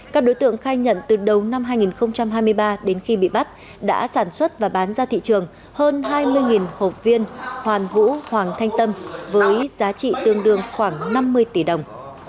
các đối tượng khai nhận từ đầu năm hai nghìn hai mươi ba đến khi bị bắt đã sản xuất và bán ra thị trường hơn hai mươi hộp viên hoàn vũ hoàng thanh tâm với giá trị tương đương khoảng năm mươi tỷ đồng